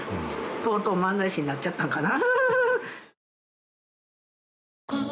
とうとう漫才師になっちゃったんかな。